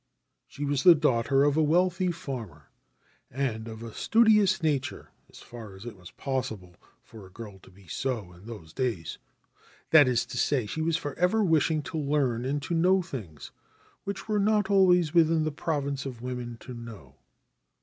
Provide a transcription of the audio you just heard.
She was the daughter of a wealthy farmer, and of a studious nature as far as it was possible for a girl to be so in those days ; that is to say, she was for ever wishing to learn and to know things which were not always within the province of women to know.